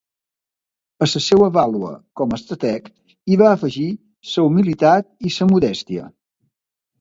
A la seva vàlua com a estrateg hi va afegir la humilitat i la modèstia.